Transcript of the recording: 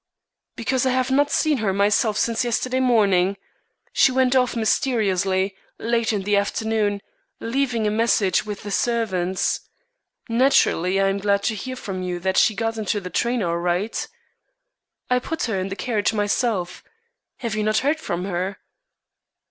"Because I have not seen her myself since yesterday morning. She went off mysteriously, late in the afternoon, leaving a message with the servants. Naturally I am glad to hear from you that she got into the train all right." "I put her in the carriage myself. Have you not heard from her?"